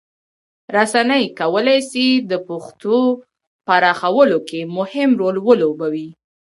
رسنۍ کولی سي د پښتو پراخولو کې مهم رول ولوبوي.